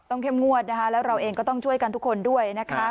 เข้มงวดนะคะแล้วเราเองก็ต้องช่วยกันทุกคนด้วยนะคะ